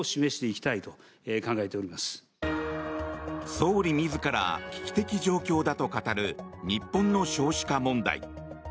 総理自ら危機的状況だと語る日本の少子化問題。